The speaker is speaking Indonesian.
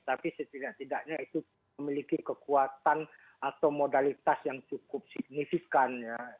tapi setidak tidaknya itu memiliki kekuatan atau modalitas yang cukup signifikan